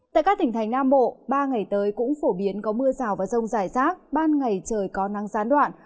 tại các tỉnh thành nam bộ ba ngày tới cũng phổ biến có mưa rào và rông rải rác ban ngày trời có nắng gián đoạn